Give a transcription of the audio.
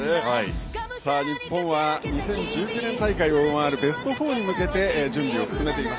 日本は２０１９年大会を上回るベスト４に向け準備を進めています。